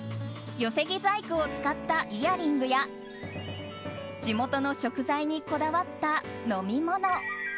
寄木細工を使ったイヤリングや地元の食材にこだわった飲み物。